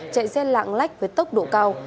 chạy xe lạng lách với tốc độ cao